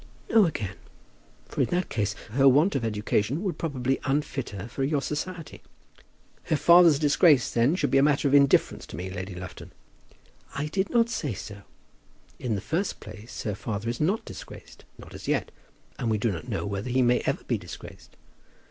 "No again; for in that case her want of education would probably unfit her for your society." "Her father's disgrace, then, should be a matter of indifference to me, Lady Lufton?" "I did not say so. In the first place, her father is not disgraced, not as yet; and we do not know whether he may ever be disgraced.